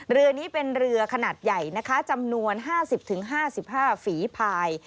เรือนี้เป็นเรือขนาดใหญ่นะคะจำนวน๕๐๕๕ฝีภาย